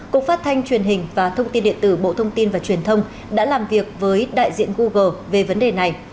cục phát thanh truyền hình và thông tin điện tử bộ thông tin và truyền thông đã làm việc với đại diện google về vấn đề này